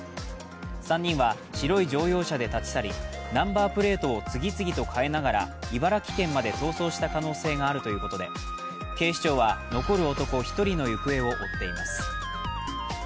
３人は白い乗用車で立ち去りナンバープレートを次々と変えながら茨城県まで逃走した可能性があるということで、警視庁は残る男１人の行方を追っています。